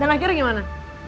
dan akhirnya gimana